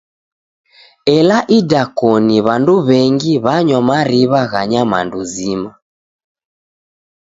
Ela idakoni w'andu w'engi w'anywa mariw'a gha nyamandu zima.